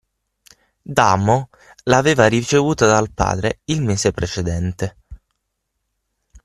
Dalmor l’aveva ricevuta dal padre il mese precedente.